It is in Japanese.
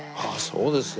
そうですか。